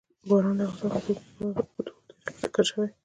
باران د افغانستان په اوږده تاریخ کې ذکر شوی دی.